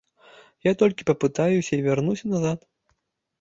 Я толькі папытаюся і вярнуся назад.